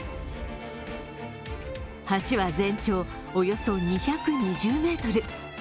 橋は全長およそ２２０ｍ。